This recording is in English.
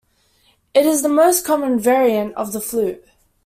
It is the most common variant of the flute.